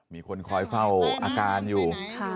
มีคนคอยเฝ้าอาการอยู่